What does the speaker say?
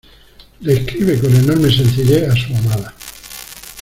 Le escribe con enorme sencillez, a su amada.